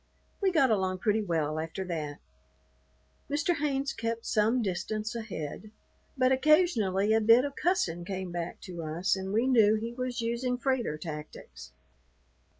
We got along pretty well after that. Mr. Haynes kept some distance ahead; but occasionally a bit of "cussin'" came back to us and we knew he was using freighter tactics.